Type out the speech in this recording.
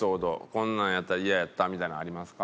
こんなんやったらイヤやったみたいのありますか？